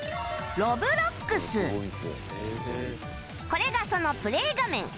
今これがそのプレー画面